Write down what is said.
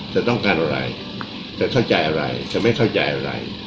จะต้องการอะไรจะเข้าใจอะไรจะไม่เข้าใจอะไร